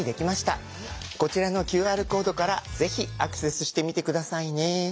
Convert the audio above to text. こちらのＱＲコードからぜひアクセスしてみて下さいね。